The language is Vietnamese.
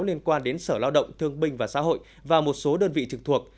liên quan đến sở lao động thương binh và xã hội và một số đơn vị trực thuộc